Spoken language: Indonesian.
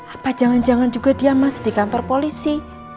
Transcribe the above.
apa jangan jangan juga dia masih di kantor polisi